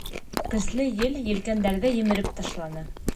Көслө ел елкәндәрҙе емереп ташланы.